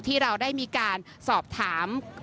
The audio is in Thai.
ที่เราได้มีการสอบถาม